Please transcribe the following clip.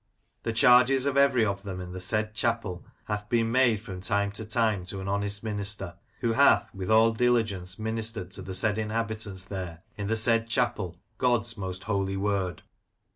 The charges of every of them in the said " Chapel hath been from time to time to an honest minister, who hath 78 Lancashire Characters and Places, *'with all diligence ministered to the said inhabitants there in the said ''Chapel, God's most holy word."